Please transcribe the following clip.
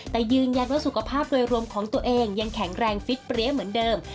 แต่ยืนยันว่าสุขภาพโดยรวมของตัวเองยังแข็งแรงฟิตเปรี้ยเหมือนเดิม